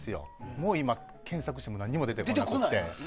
もう今、検索しても何も出てこなくて。